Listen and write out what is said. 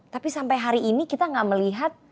tapi sampai hari ini kita gak melihat